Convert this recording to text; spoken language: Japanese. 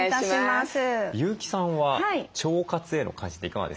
優木さんは腸活への関心っていかがですか？